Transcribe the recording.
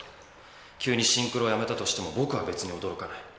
急にシンクロをやめたとしても僕は別に驚かない。